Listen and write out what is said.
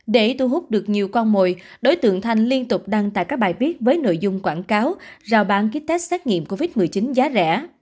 để thu hút được nhiều con mồi đối tượng thanh liên tục đăng tải các bài viết với nội dung quảng cáo rào bán ký test xét nghiệm covid một mươi chín giá rẻ